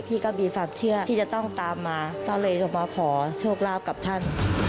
ก็มีความเชื่อที่จะต้องตามมาก็เลยจะมาขอโชคลาภกับท่าน